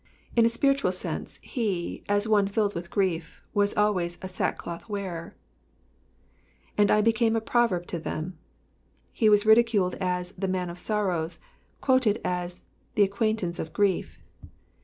Id a spiritual sense he, as one filled with grief, was always a sackcloth wearer. ^^And I became a proverb to thetn,"" He was ridiculed as '* the man of sorrows/' quoted as *' the acquaintance of grief.''